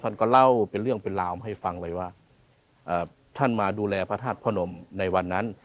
ท่านก็เล่าเป็นเรื่องเป็นราวให้ฟังเลยว่าท่านมาดูแลพระธาตุพระนมในวันนั้น